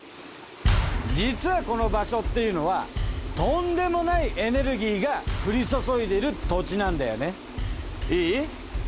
実はこの場所っていうのはとんでもないエネルギーが降りそそいでる土地なんだよね。